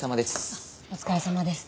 あっお疲れさまです。